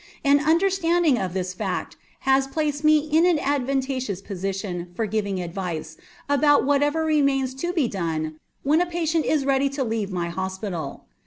An understanding of this fact has placed me in an advantageous position for giving advice about whatever remains to be done when a patient is ready to leave my hospital.